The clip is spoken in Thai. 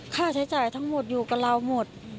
ค่าใช้จ่ายทั้งหมดอยู่กับเราหมด